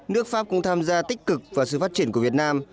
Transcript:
nước pháp cũng tham gia tích cực vào sự phát triển của việt nam